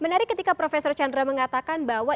menarik ketika prof chandra mengatakan bahwa